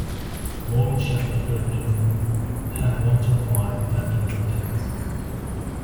Morgan Shepherd filled in for him, and had one top-five and two top-tens.